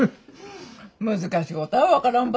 難しいことは分からん